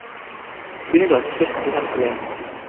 তিনি যথেষ্ট সন্দিহান ছিলেন।